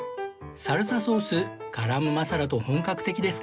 サルサソースガラムマサラと本格的ですが